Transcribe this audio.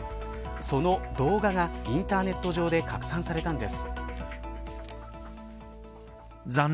その動画がインターネット上で拡散されたんです。